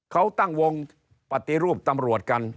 เขาตั้งวงปฏิรูปตำรวจกัน